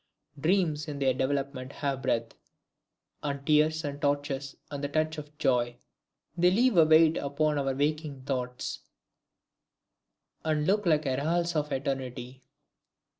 Dreams in their development have breath, And tears, and tortures, and the touch of joy; They leave a weight upon our waking thoughts, And look like heralds of Eternity."